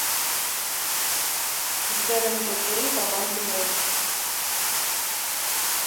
Збярэм дзяцей і каманду нянек!